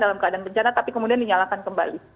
dalam keadaan bencana tapi kemudian dinyalakan kembali